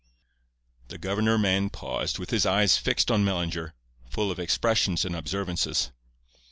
"The governor man paused, with his eyes fixed on Mellinger, full of expressions and observances.